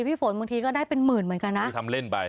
พี่ฝนบางทีก็ได้เป็นหมื่นเหมือนกันนะที่ทำเล่นไป